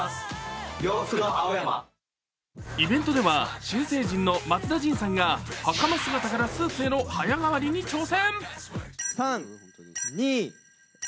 イベントでは新成人の松田迅さんが、はかま姿からスーツへの早変わりに挑戦。